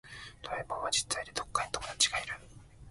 ドラえもんは実在でどこかに友達がいる